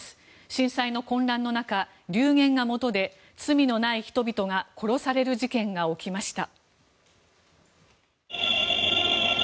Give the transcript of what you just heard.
震災の混乱の中、流言がもとで罪のない人々が殺される事件が起きました。